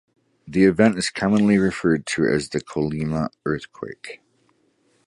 The event is commonly referred to as the Colima earthquake.